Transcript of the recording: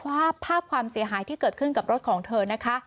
ภาพภาพความเสียหายที่เกิดขึ้นกับรถของเธอนะคะ